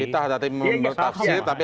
kita harus hati hati membuat tafsir tapi